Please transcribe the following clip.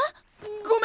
ごめん！